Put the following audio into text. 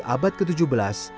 mengianjakkan rote haar